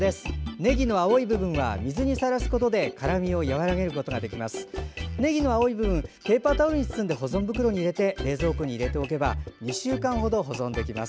ねぎの青い部分は水にさらすことで辛みを和らげることができます。